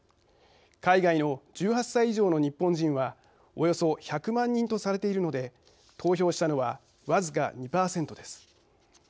海外の１８歳以上の日本人はおよそ１００万人とされているので投票したのは僅か２％です。